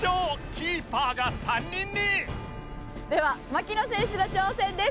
キーパーが３人にでは槙野選手の挑戦です。